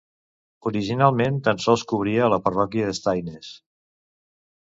Originalment tan sols cobria la parròquia de Staines.